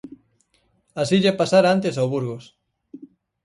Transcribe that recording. Así lle pasara antes ao Burgos.